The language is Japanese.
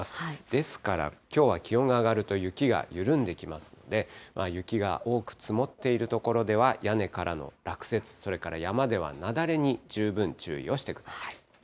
ですから、きょうは気温が上がると雪が緩んできますので、雪が多く積もっている所では、屋根からの落雪、それから山では雪崩に十分注意をしてください。